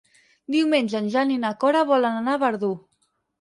Diumenge en Jan i na Cora volen anar a Verdú.